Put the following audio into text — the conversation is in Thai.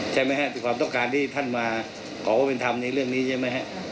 ใช่ไหมฮะคือความต้องการที่ท่านมาขอความเป็นธรรมในเรื่องนี้ใช่ไหมฮะ